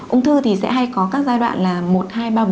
ung thư thì sẽ hay có các giai đoạn là một hai ba bốn